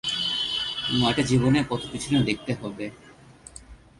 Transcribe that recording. নয়টা জীবনে কত কিছুই না দেখতে হবে।